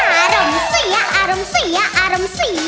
อารมณ์เสียอารมณ์เสียอารมณ์เสีย